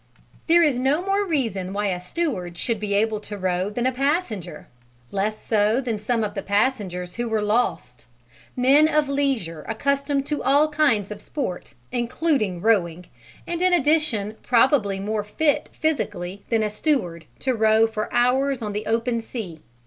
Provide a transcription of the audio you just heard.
There is no more reason why a steward should be able to row than a passenger less so than some of the passengers who were lost; men of leisure accustomed to all kinds of sport (including rowing), and in addition probably more fit physically than a steward to row for hours on the open sea.